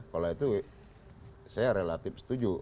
kalau itu saya relatif setuju